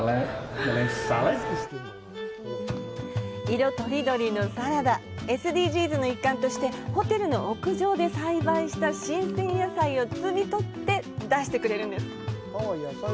色とりどりのサラダＳＤＧｓの一環としてホテルの屋上で栽培した新鮮野菜を摘み取って、出してくれるんです。